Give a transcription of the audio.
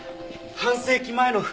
半世紀前の服？